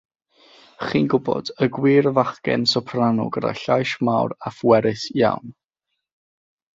Chi'n gwybod, y gwir fachgen soprano gyda llais mawr a phwerus iawn.